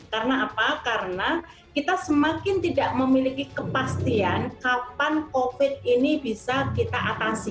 karena apa karena kita semakin tidak memiliki kepastian kapan covid sembilan belas ini bisa kita atasi